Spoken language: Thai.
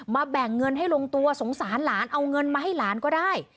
แบ่งเงินให้ลงตัวสงสารหลานเอาเงินมาให้หลานก็ได้